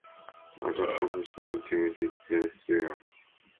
Other approximations exist elsewhere.